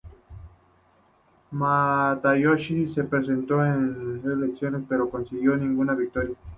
Matayoshi se presentó en numerosas elecciones, pero no consiguió ninguna victoria.